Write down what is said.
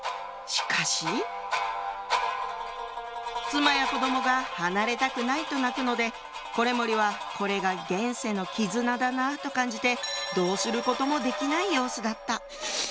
しかし妻や子供が離れたくないと泣くので維盛はこれが現世の絆だなと感じてどうすることもできない様子だった。